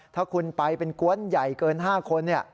ถ้าคุณไปเป็นกวนใหญ่เกิน๕คน